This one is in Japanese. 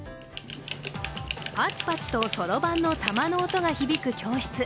パチパチとそろばんの珠の音が響く教室。